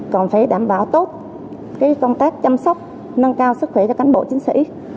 còn phải đảm bảo tốt công tác chăm sóc nâng cao sức khỏe cho cán bộ chiến sĩ